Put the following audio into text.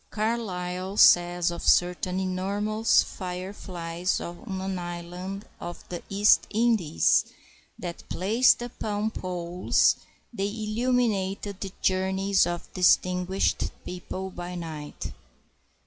Carlyle says of certain enormous fire flies on an island of the East Indies that, placed upon poles, they illuminate the journeys of distinguished people by night.